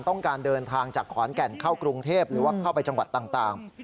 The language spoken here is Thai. ต้องการเดินทางจากขอนแก่นเข้ากรุงเทพหรือว่าเข้าไปจังหวัดต่าง